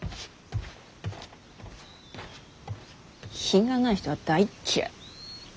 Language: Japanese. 品がない人は大っ嫌い。